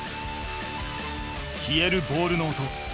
消えるボールの音。